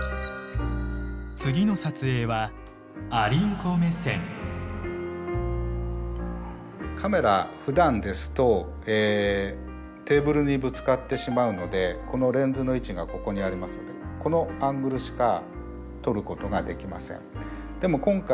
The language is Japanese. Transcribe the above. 次の撮影はカメラふだんですとテーブルにぶつかってしまうのでこのレンズの位置がここにありますのでこのアングルしか撮ることができません。